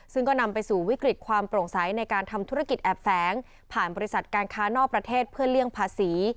ซึ่งก็นำไปสู่วิกฤตความโปร่งใสในการทำธุรกิจแอบแฝงผ่านบริษัทการค้านอกประเทศเพื่อเลี่ยงภาษี